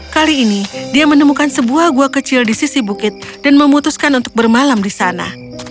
kali ini dia menemukan sebuah gua kecil di sisi bukit dan memutuskan untuk bermalam di sana